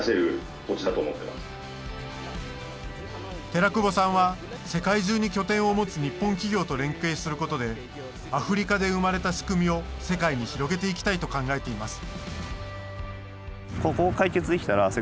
寺久保さんは世界中に拠点を持つ日本企業と連携することでアフリカで生まれた仕組みを世界に広げていきたいと考えています。